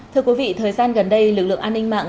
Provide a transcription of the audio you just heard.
thưa quý vị thời gian gần đây lực lượng an ninh mạng